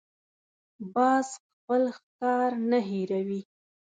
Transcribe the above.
باز خپل ښکار نه هېروي